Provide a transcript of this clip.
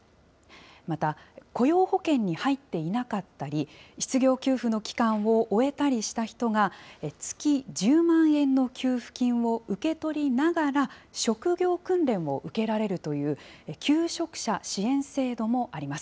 また、雇用保険に入っていなかったり、失業給付の期間を終えたりした人が、月１０万円の給付金を受け取りながら職業訓練を受けられるという、求職者支援制度もあります。